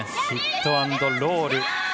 ヒットアンドロール。